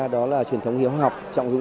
đó là truyền thống hiếu học trọng dụng